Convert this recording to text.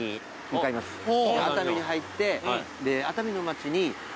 熱海に入ってで熱海の町に。